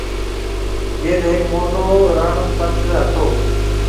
جيٿ هيڪ موٽو رڻ پَٽ هتو۔